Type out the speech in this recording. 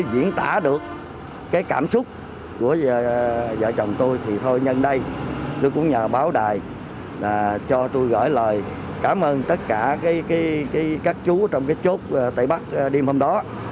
diễn tả được cái cảm xúc của vợ chồng tôi thì thôi nhân đây tôi cũng nhờ báo đài cho tôi gửi lời cảm ơn tất cả các chú trong cái chốt tây bắc đêm hôm đó